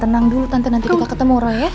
tenang dulu tante nanti kita ketemu roy ya